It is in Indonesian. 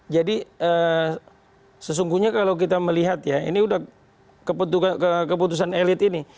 jadi sesungguhnya kalau kita melihat ya ini udah keputusan elit ini